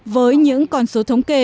với những con số thống kê